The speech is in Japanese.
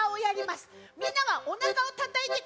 みんなはおなかをたたいてください。